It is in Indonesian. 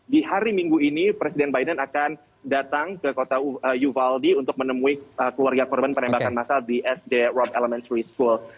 di hari minggu ini presiden biden akan datang ke kota uvaldi untuk menemui keluarga korban penembakan masal di sd robb elementary school